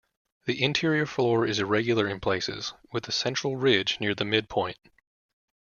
The interior floor is irregular in places, with a central ridge near the midpoint.